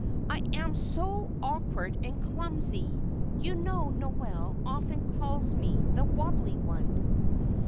"I am so awkward and clumsy. You know Noel often calls me 'the wobbly one.'"